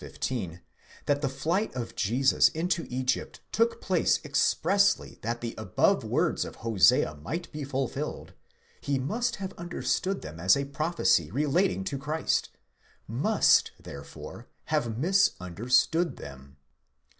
15, that the flight of Jesus into Egypt took place expressly that the above words of Hosea might be fulfilled, he must have understood them as a prophecy relating to Christ—must, therefore, have misunderstood them.